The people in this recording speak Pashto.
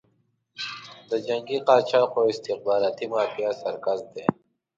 د جنګي قاچاقي او استخباراتي مافیا سرکس دی.